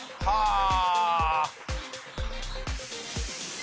ああ。